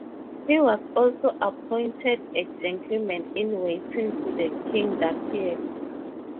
He was also appointed a Gentleman in Waiting to the King that year.